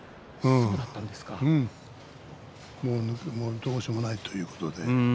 どうしようもないということで。